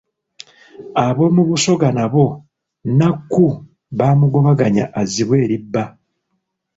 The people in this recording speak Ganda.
Ab'omu Busoga nabo Nnakku baamugobaganya azzibwe eri bba.